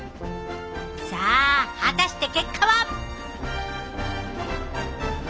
さあ果たして結果は？